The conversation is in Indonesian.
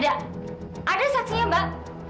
nggak ada saksinya mbak